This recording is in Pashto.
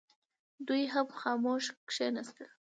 دوی هم خاموش کښېنستل.